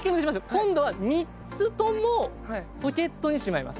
今度は３つともポケットにしまいます。